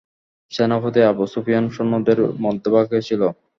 সেনাপতি আবু সুফিয়ান সৈন্যদের মধ্যভাগে ছিল।